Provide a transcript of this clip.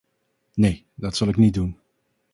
Nee, dat zal ik niet doen.